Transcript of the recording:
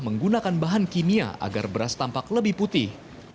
menggunakan bahan kimia agar beras tampak lebih putih